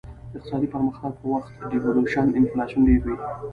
د اقتصادي پرمختګ په وخت devaluation انفلاسیون ډېروي.